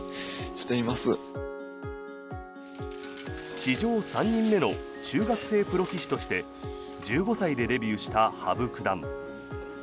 史上３人目の中学生プロ棋士として１５歳でデビューした羽生九段。